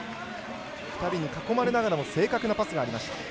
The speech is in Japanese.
２人に囲まれながらも正確なパスがありました。